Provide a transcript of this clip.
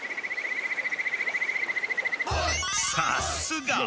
さすが！